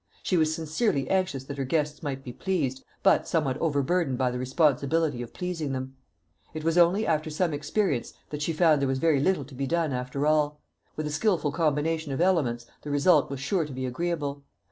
She was sincerely anxious that her guests might be pleased, but somewhat over burdened by the responsibility of pleasing them. It was only after some experience that she found there was very little to be done, after all. With a skilful combination of elements, the result was sure to be agreeable.